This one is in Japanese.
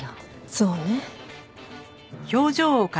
そうね。